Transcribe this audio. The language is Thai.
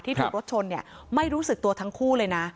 ที่ถูกรถชนเนี่ยไม่รู้สึกตัวทั้งคู่เลยนะ